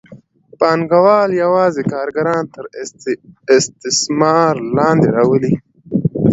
پانګوال یوازې کارګران تر استثمار لاندې راولي.